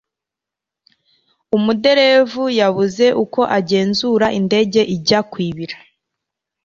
umuderevu yabuze uko agenzura indege ijya kwibira